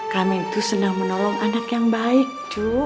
kami tuh senang menolong anak yang baik cuk